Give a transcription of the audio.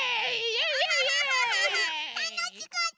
たのしかった！